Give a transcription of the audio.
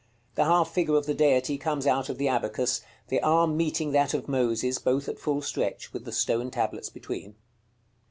The half figure of the Deity comes out of the abacus, the arm meeting that of Moses, both at full stretch, with the stone tablets between.